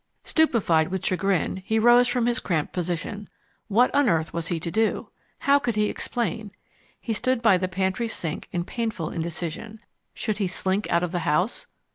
Stupefied with chagrin, he rose from his cramped position. What on earth was he to do? How could he explain? He stood by the pantry sink in painful indecision. Should he slink out of the house?